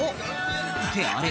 ってあれ？